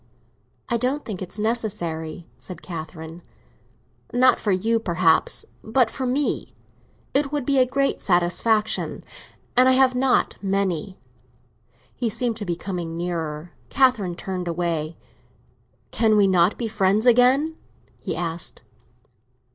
"I don't think it is necessary," said Catherine. "Not for you, perhaps, but for me. It would be a great satisfaction—and I have not many." He seemed to be coming nearer; Catherine turned away. "Can we not be friends again?" he said.